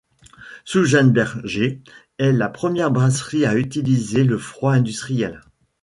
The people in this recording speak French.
Schutzenberger est la première brasserie à utiliser le froid industriel.